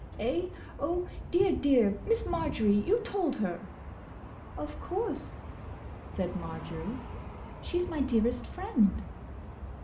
"Eh? Oh, dear! dear! Miss Marjory, you told her!" "Of course," said Marjory. "She's my dearest friend!"